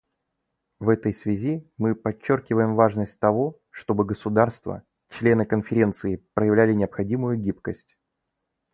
В этой связи мы подчеркиваем важность того, чтобы государства — члены Конференции проявляли необходимую гибкость.